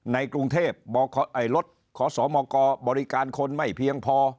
ในกรุงเทพรถขอสมกบริการคนไม่เพียงพอ